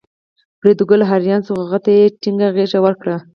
فریدګل حیران شو خو هغه ته یې ټینګه غېږه ورکړه